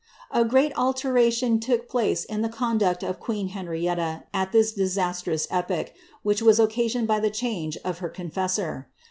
A great alteration took place in the conduct of queen Henrietta at thii disastrous epocli, which was occasioned by the change of her confessor.